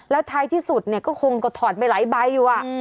แล้วท้ายที่สุดเนี่ยก็คงก็ถอดไปหลายใบอยู่